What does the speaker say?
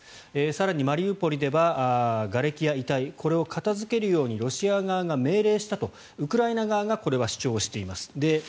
更に、マリウポリではがれきや遺体これを片付けるようにロシア側が命令したとウクライナ側がこれは主張しています。